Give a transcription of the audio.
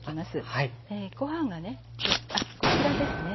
でご飯がねあっこちらですね